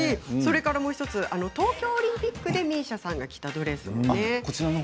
もう１つ、東京オリンピックでＭＩＳＩＡさんが着たドレス。